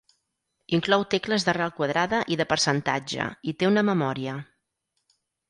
Inclou tecles d'arrel quadrada i de percentatge i té una memòria.